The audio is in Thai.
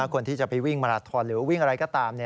คนที่จะไปวิ่งมาราทอนหรือวิ่งอะไรก็ตาม